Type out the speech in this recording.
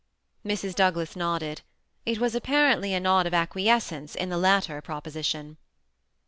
Mrs. Douglas nodded. It was apparently a nod of acquiescence in the latter proposition.